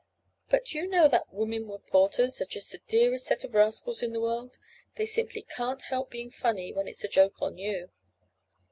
But, do you know that women reporters are just the dearest set of rascals in the world? They simply can't help being funny when it's a joke on you.